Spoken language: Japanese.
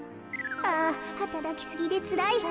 あはたらきすぎでつらいわ。